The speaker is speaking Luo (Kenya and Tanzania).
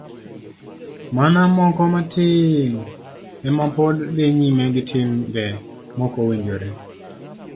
Mana moko matin ema pod dhi nyime gi timbe mokowinjore.